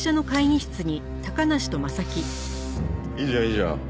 いいじゃんいいじゃん。